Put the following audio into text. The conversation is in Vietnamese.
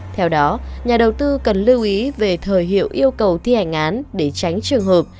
theo đó nhà đầu tư cần lưu ý về thời hiệu yêu cầu thi hành án để tránh trường hợp